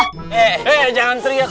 eh jangan teriak